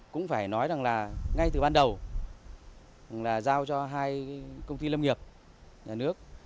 cũng phải nói rằng là ngay từ ban đầu là giao cho hai công ty lâm nghiệp nhà nước